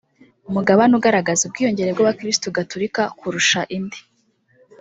umugabane ugaragaza ubwiyongere bw’Abakirisitu gatulika kurusha indi